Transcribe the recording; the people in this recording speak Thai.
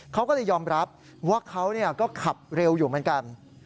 เขาก็เลยยอมรับว่าเขาก็ขับเร็วอยู่เหมือนกัน